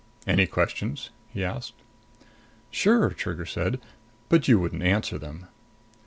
"Any questions?" he asked. "Sure," Trigger said. "But you wouldn't answer them."